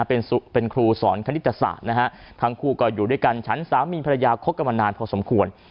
เป็นครูสอนคณิตศาสตร์นะฮะทั้งคู่ก็อยู่ด้วยกันฉันสามีภรรยาคบกันมานานพอสมควร